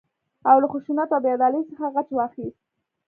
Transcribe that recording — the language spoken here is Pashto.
او له خشونت او بې عدالتۍ څخه غچ واخيست.